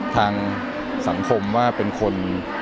ทางสังคมว่าเป็นคน